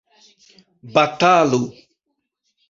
batalu